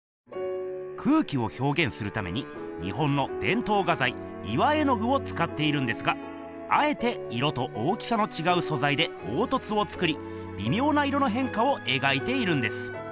空気をひょうげんするために日本のでんとう画ざい岩絵具をつかっているんですがあえて色と大きさのちがうそざいでおうとつを作りびみょうな色のへんかを描いているんです。